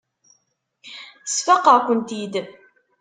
Sfaqeɣ-kent-id.